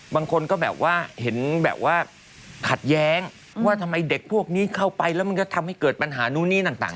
บางคนก็แบบว่าเห็นแบบว่าขัดแย้งว่าทำไมเด็กพวกนี้เข้าไปแล้วมันก็ทำให้เกิดปัญหานู่นนี่ต่าง